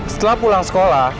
setelah pulang sekolah